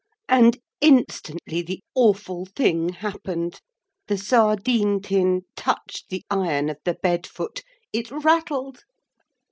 And instantly the awful thing happened. The sardine tin touched the iron of the bed foot. It rattled.